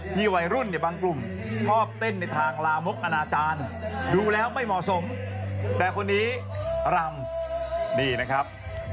วัยรุ่นเนี่ยบางกลุ่มชอบเต้นในทางลามกอนาจารย์ดูแล้วไม่เหมาะสมแต่คนนี้รำนี่นะครับ